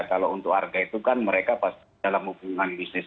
kalau untuk harga itu kan mereka pasti dalam hubungan bisnis